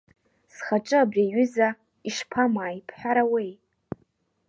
Схаҿы абри аҩыза ишԥамааи, бҳәаруеи!